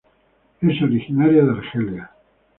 Es originaria de Argelia.